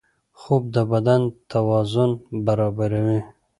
خوب د بدن توازن برابروي